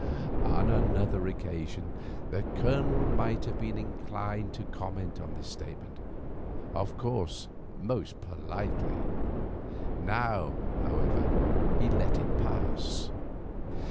On another occasion the Colonel might have been inclined to comment on this statement—of course, most politely. Now, however, he let it pass.